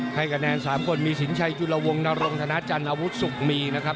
ให้คะแนน๓คนมีสินชัยจุลวงนรงธนาจันทร์อาวุธสุขมีนะครับ